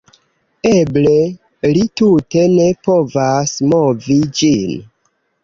Eble li tute ne povas movi ĝin